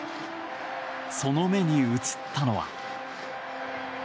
その目に映ったのは。